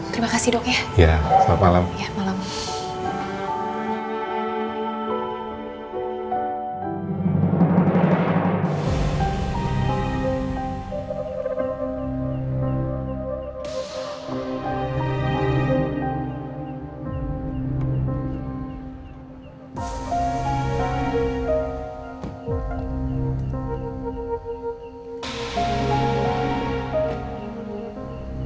terima kasih dok ya